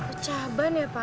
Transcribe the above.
hai cabanya pak